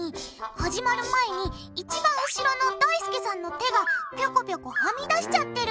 始まる前にいちばん後ろのだいすけさんの手がぴょこぴょこはみ出しちゃってる！